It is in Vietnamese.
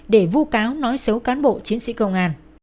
để vu cáo nói xấu cán bộ chiến sĩ công an